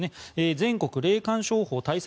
全国霊感商法対策